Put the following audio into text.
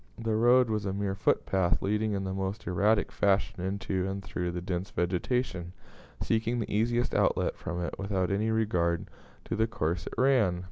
The road was a mere footpath, leading in the most erratic fashion into and through the dense vegetation, seeking the easiest outlet from it without any regard to the course it ran.